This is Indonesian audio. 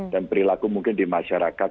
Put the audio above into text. dan perilaku mungkin di masyarakat